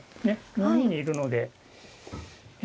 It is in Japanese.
４二にいるのでえ